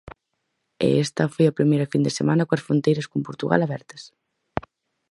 E esta foi a primeira fin de semana coas fronteiras con Portugal abertas.